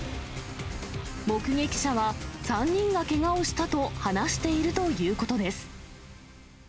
目撃者は３人がけがをしたと話しているということです。